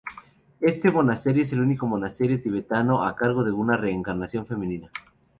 Este monasterio es el único monasterio tibetano a cargo de un reencarnación femenina.